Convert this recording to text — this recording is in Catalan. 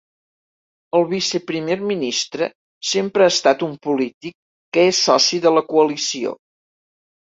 El viceprimer ministre sempre ha estat un polític que és soci de la coalició.